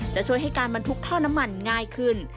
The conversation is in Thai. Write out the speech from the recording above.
จะช่วยให้การบรรทุกท่อน้ำมันง่ายขึ้น